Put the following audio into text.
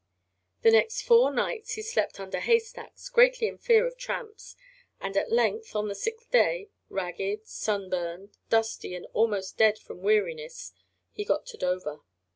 The next four nights he slept under haystacks, greatly in fear of tramps, and at length, on the sixth day, ragged, sunburned, dusty and almost dead from weariness, he got to Dover.